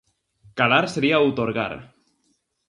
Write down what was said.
Calar sería outorgar.